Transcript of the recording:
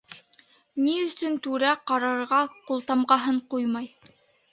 Ни өсөн түрә ҡарарға ҡултамғаһын ҡуймай?